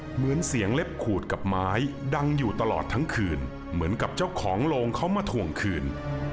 เหมือนเสียงเล็บขูดกับไม้ดังอยู่ตลอดทั้งคืนเหมือนกับเจ้าของโรงเขามาถ่วงคืน